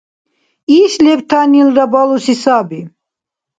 Иш лебтанилра балуси саби.